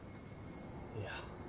いや。